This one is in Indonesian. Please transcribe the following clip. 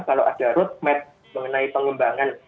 kalau ada road map mengenai pengembangan